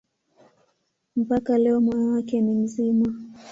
Mpaka leo moyo wake ni mzima.